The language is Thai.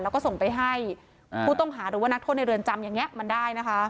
แล้วก็ส่งไปให้ผู้ต้องหาหรือว่านักโทษในเรือนจำอย่างนี้มันได้นะคะ